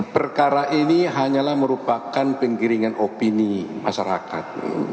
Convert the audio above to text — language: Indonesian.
perkara ini hanyalah merupakan penggiringan opini masyarakat